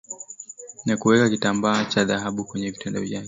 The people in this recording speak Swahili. na kuweka kitambaa cha dhahabu kwenye vitanda vyake